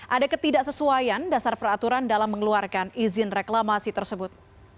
ada ketidaksesuaian dasar peraturan dalam mengeluarkan izin reklamasi tersebut